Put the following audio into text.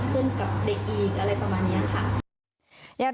ขึ้นกับเด็กอีกอะไรประมาณนี้ค่ะ